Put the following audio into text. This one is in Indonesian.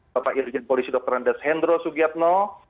bapak irjen polisi dr andes hendro sugiatno